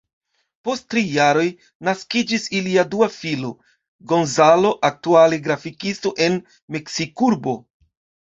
Post tri jaroj, naskiĝis ilia dua filo, Gonzalo, aktuale grafikisto en Meksikurbo.